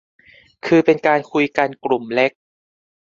คือเป็นการคุยกันกลุ่มเล็ก